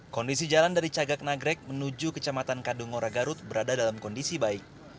kondisi jalan dari cagak nagrek menuju kecamatan kadungora garut berada dalam kondisi baik